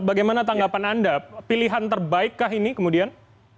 bagaimana tanggapan anda pilihan terbaikkah ini kemudian